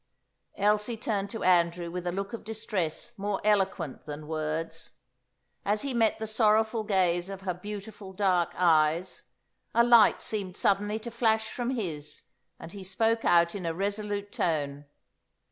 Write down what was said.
Elsie turned to Andrew with a look of distress more eloquent than words. As he met the sorrowful gaze of her beautiful dark eyes, a light seemed suddenly to flash from his, and he spoke out in a resolute tone.